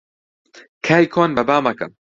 کای کۆن بەبا مەکە